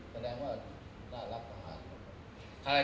แปลงว่าน่ารักตาหรา